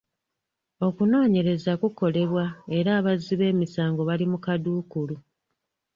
Okunoonyeraza kukolebwa era abazzi b'emisango bali mu kaduukulu.